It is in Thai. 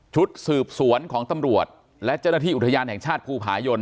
ชุดสืบสวนของตำรวจและเจ้าหน้าที่อุทยานแห่งชาติภูผายน